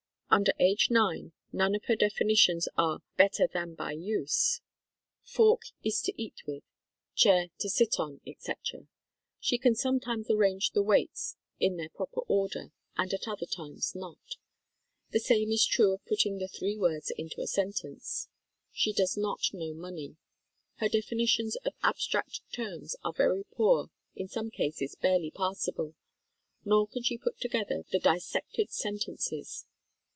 Under age 9, none of her definitions are "better than by use" "Fork is to eat THE STORY OF DEBORAH n with," "Chair to sit on," etc. She can sometimes ar range the weights in their proper order and at other times not. The same is true of putting the three words into a sentence. She does not know money. Her definitions of abstract terms are very poor, in some cases barely passable, nor can she put together the dis sected sentences.